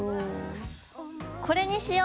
これにしよう！